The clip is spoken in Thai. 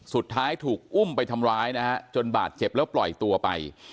สุดท้ายถูกอุ้มไปทำร้ายนะฮะจนบาดเจ็บแล้วปล่อยตัวไป